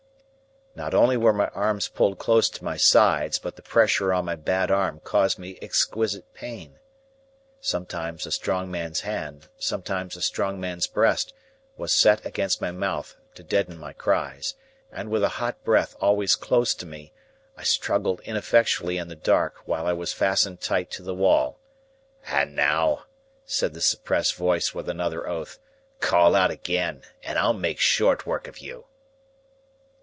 Not only were my arms pulled close to my sides, but the pressure on my bad arm caused me exquisite pain. Sometimes, a strong man's hand, sometimes a strong man's breast, was set against my mouth to deaden my cries, and with a hot breath always close to me, I struggled ineffectually in the dark, while I was fastened tight to the wall. "And now," said the suppressed voice with another oath, "call out again, and I'll make short work of you!"